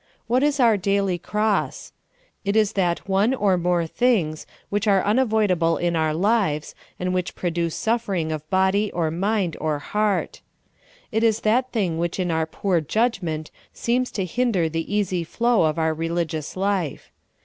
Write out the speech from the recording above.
What is our daily cross? It is that one or more things which are unavoidable in our lives, and which produce suffering of bod}^ or mind or heart. It is that thing which in our poor judgment seems to hinder the easy flow of our religious life.